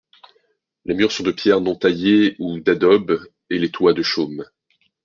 Les murs sont de pierre non taillée ou d'adobe, et les toits de chaume.